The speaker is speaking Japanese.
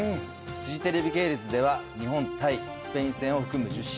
フジテレビ系列では日本対スペイン戦を含む１０試合を生中継。